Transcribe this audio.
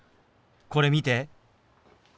これ見て。